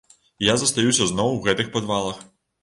І я застаюся зноў у гэтых падвалах.